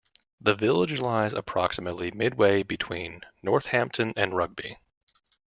The village lies approximately midway between Northampton and Rugby.